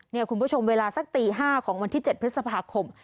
คุณผู้ชมเวลาสักตี๕ของวันที่๗พฤษภาคม